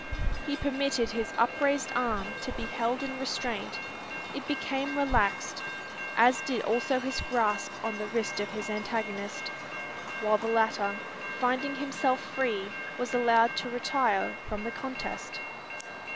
He permitted his upraised arm to be held in restraint; it became relaxed, as did also his grasp on the wrist of his antagonist; while the latter, finding himself free, was allowed to retire from the contest.